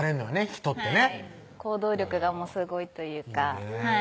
人ってね行動力がすごいというかねぇ